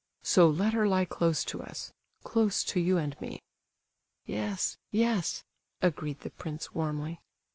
So let her lie close to us—close to you and me." "Yes, yes," agreed the prince, warmly.